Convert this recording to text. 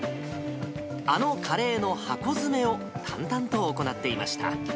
あのカレーの箱詰めを淡々と行っていました。